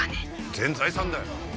全財産だよ。